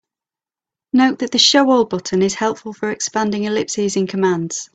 Note that the "Show all" button is helpful for expanding ellipses in commands.